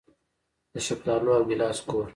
د شفتالو او ګیلاس کور.